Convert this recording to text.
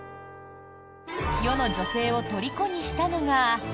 世の女性をとりこにしたのが。